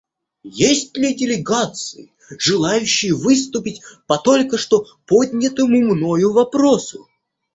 Есть ли делегации, желающие выступить по только что поднятому мною вопросу?